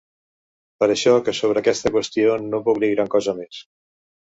Per això que sobre aquesta qüestió no puc dir gran cosa més.